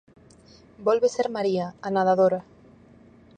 Volve ser María, a nadadora.